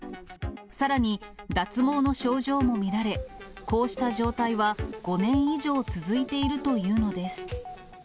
さらに、脱毛の症状も見られ、こうした状態は５年以上続いているというのです。